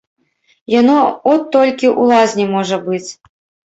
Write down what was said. Яно от толькі ў лазні можа быць.